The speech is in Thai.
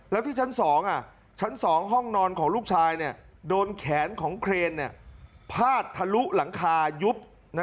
แล้วที่ชั้น๒ชั้น๒ห้องนอนของลูกชายโดนแขนของเครนพาดทะลุหลังคายุบ